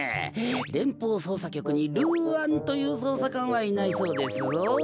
れんぽうそうさきょくにルーアンというそうさかんはいないそうですぞ。